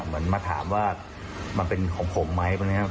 เหมือนมาถามว่ามันเป็นของผมไหมวะเนี่ยครับ